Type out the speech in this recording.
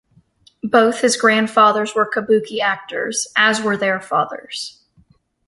Both his grandfathers were kabuki actors, as were their fathers.